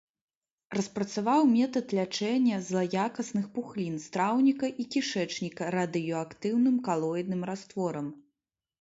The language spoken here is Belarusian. Распрацаваў метад лячэння злаякасных пухлін страўніка і кішэчніка радыеактыўным калоідным растворам.